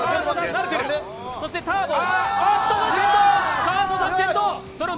そしてターボ。